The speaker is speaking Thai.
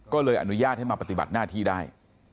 ก็เลยอนุญาตให้มาปฏิบัติหน้าที่ได้